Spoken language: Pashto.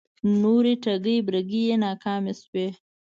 نورې ټگۍ برگۍ یې ناکامې شوې